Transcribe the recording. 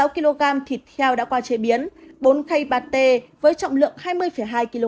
một sáu kg thịt heo đã qua chế biến bốn cây pate với trọng lượng hai mươi hai kg